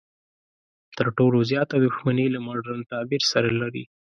تر ټولو زیاته دښمني له مډرن تعبیر سره لري.